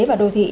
và đô thị